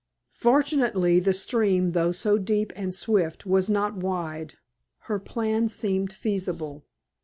Fortunately, the stream, though so deep and swift, was not wide. Her plan seemed feasible.